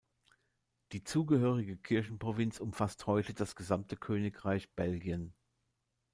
Die zugehörige Kirchenprovinz umfasst heute das gesamte Königreich Belgien.